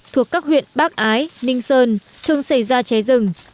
thuộc các huyện bắc ái ninh sơn thường xảy ra cháy rừng